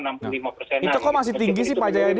itu kok masih tinggi sih pak jayadi